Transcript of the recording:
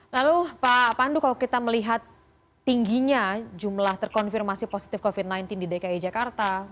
lalu pak pandu kalau kita melihat tingginya jumlah terkonfirmasi positif covid sembilan belas di dki jakarta